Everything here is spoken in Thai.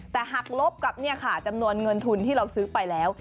แต่หักลบกับจำนวนเงินทุนที่เราซื้อไปแล้ว